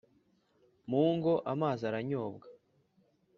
mu ngo amazi aranyobwa,